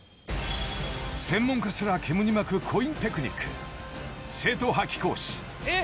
［専門家すらけむに巻くコインテクニック］